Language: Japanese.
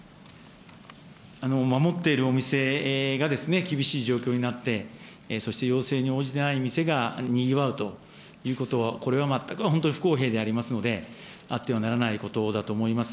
守っているお店が厳しい状況になって、そして要請に応じない店がにぎわうということは、これは全く本当に不公平でありますので、あってはならないことだと思います。